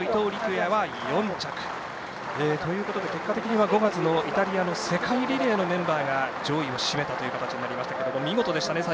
也は４着。ということで結果的に５月イタリアの世界リレーのメンバーが上位を占めた形になりましたが見事でしたね。